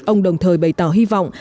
ông đồng thời bày tỏ hy vọng